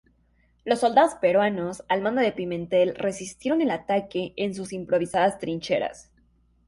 Los soldados peruanos, al mando de Pimentel, resistieron el ataque en sus improvisadas trincheras.